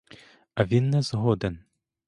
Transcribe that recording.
А він не згоден.